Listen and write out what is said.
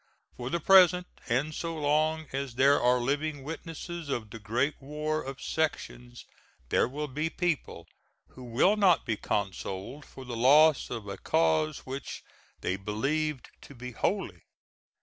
For the present, and so long as there are living witnesses of the great war of sections, there will be people who will not be consoled for the loss of a cause which they believed to be holy.